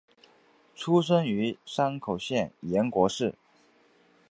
出身于山口县岩国市。